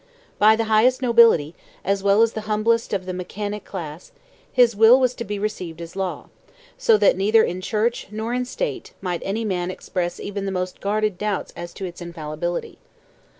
By the highest nobility, as well as the humblest of the mechanic class, his will was to be received as law; so that neither in Church, nor in State, might any man express even the most guarded doubt as to its infallibility.